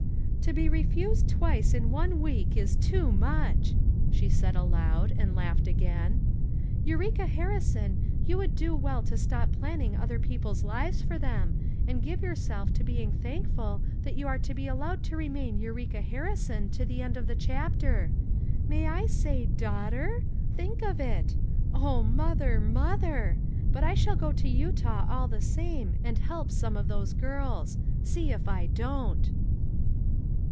"To be refused twice in one week is too much!" she said aloud, and laughed again. "Eureka Harrison you would do well to stop planning other people's lives for them, and give yourself to being thankful that you are to be allowed to remain Eureka Harrison to the end of the chapter. 'May I say daughter?' Think of it! Mother, Mother! But I shall go to Utah all the same, and help some of those girls ; see if I don't."